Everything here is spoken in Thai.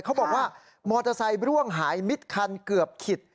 เขาบอกว่ามอเตอร์ไซค์ร่วงหายมิดคันเกือบขิด